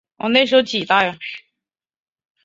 这点也是与其他都道府县的煮物最大的不同之处。